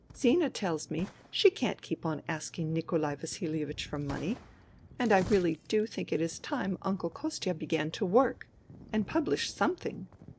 Zina tells me she can't keep on asking Nikolai Vasilievich for money, and I really do think it is time Uncle Kostia began to work .., and published something.